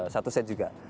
satu set juga